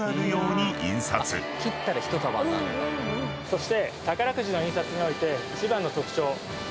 そして。